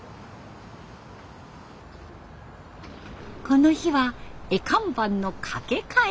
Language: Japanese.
この日は絵看板の掛け替え。